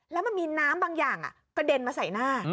แล้วมันมีน้ำบางอย่างกระเด็นมาใส่หน้า